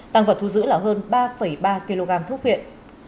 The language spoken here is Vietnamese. tăng vật thu giữ là hơn ba ba kg thuốc viện